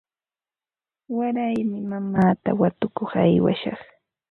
Waraymi mamaata watukuq aywashaq.